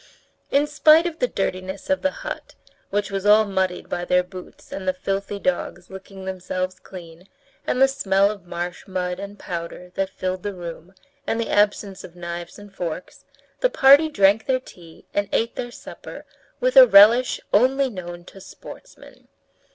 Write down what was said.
In spite of the dirtiness of the hut, which was all muddied by their boots and the filthy dogs licking themselves clean, and the smell of marsh mud and powder that filled the room, and the absence of knives and forks, the party drank their tea and ate their supper with a relish only known to sportsmen.